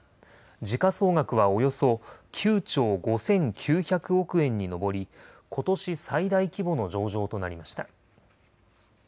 時価総額はおよそ９兆５９００億円に上りことし最大規模の上場となりました。